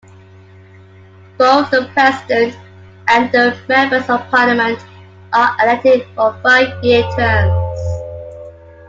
Both the president and the members of Parliament are elected for five-year terms.